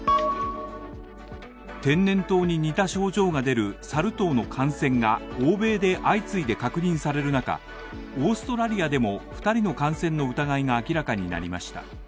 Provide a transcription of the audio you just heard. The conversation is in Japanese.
天然痘に似た症状が出るサル痘の感染が欧米で相次いで確認される中、オーストラリアでも２人の感染の疑いが明らかになりました。